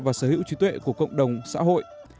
và sở hữu trí tuệ của cộng đồng xã hội